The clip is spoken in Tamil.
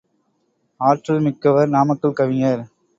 ஆற்றல் மிக்கவர் நாமக்கல் கவிஞர்.